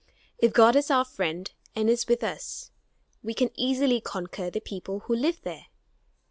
If God is our friend and is with us, we can easily conquer the people who live there.